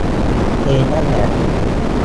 เอ็งนั่นแหละ